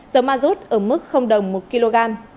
dầu mazut ở mức đồng một kg